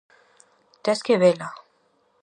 Tes que vela!